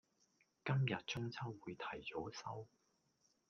今日中秋會提早收